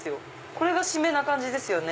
これが締めな感じですよね？